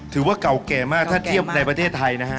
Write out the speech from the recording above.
ถือว่าเก่าแก่มากถ้าเทียบในประเทศไทยนะฮะ